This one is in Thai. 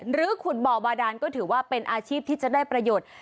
ขุดบ่อบาดานก็ถือว่าเป็นอาชีพที่จะได้ประโยชน์